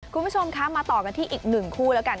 คุณผู้ชมคะมาต่อกันที่อีกหนึ่งคู่แล้วกัน